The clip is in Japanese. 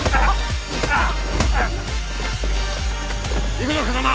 行くぞ風真！